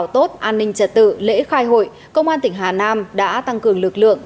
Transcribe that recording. tốt an ninh trật tự lễ khai hội công an tỉnh hà nam đã tăng cường lực lượng